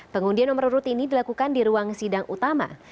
pengundian nomor urut ini dilakukan di ruang sidang utama